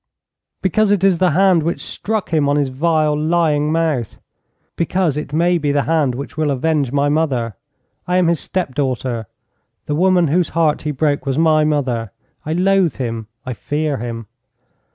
'Because it is the hand which struck him on his vile, lying mouth. Because it may be the hand which will avenge my mother. I am his step daughter. The woman whose heart he broke was my mother. I loathe him, I fear him.